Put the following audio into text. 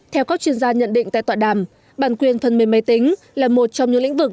theo các chuyên gia nhận định tại tọa đàm bản quyền phần mềm máy tính là một trong những lĩnh vực